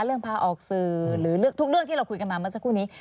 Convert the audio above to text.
พาออกสื่อหรือทุกเรื่องที่เราคุยกันมาเมื่อสักครู่นี้